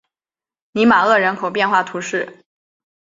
马尼厄人口变化图示